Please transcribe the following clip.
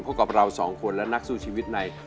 เพราะครอบเรา๒คนและนักสู้ชีวิตใน